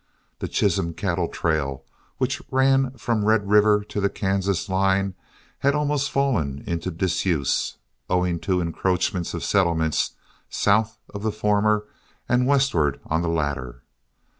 The Chisholm Cattle Trail, which ran from Red River to the Kansas line, had almost fallen into disuse, owing to encroachments of settlements south of the former and westward on the latter.